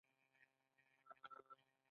دا د افغانستان په اړه ځانګړې څېړنه ده.